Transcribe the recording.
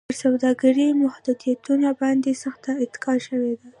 پر سوداګرۍ د محدودیتونو باندې سخته اتکا شوې وه.